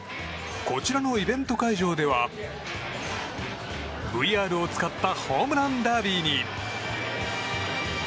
こちらのイベント会場ではＶＲを使ったホームランダービーに。